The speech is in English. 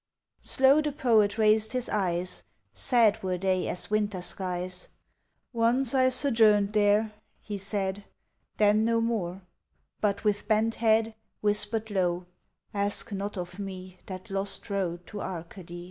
Slow the Poet raised his eyes, Sad were they as winter skies, "Once, I sojourned there," he said; Then, no more but with bent head Whispered low, "Ask not of me That lost road to Arcady!"